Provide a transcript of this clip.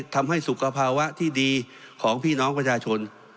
ทำให้สุขภาวะที่ดีของพี่น้องประชาชน